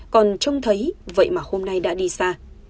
còn trông thấy vậy mà hôm nay đã đi xa